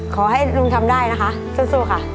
ขอให้ลุงทำได้นะคะสู้ค่ะ